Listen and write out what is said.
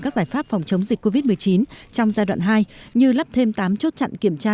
các giải pháp phòng chống dịch covid một mươi chín trong giai đoạn hai như lắp thêm tám chốt chặn kiểm tra